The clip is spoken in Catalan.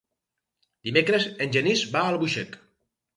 Dimecres en Genís va a Albuixec.